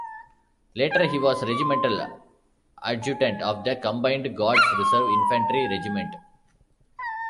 Later, he was regimental adjutant of the combined Guards Reserve Infantry Regiment.